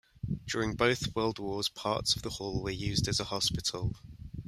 During both World Wars, parts of the hall were used as a hospital.